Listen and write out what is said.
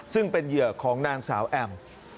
ซึ่งเป็นเหยื่อของนางสาวแอม